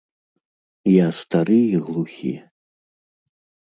Я стары і глухі.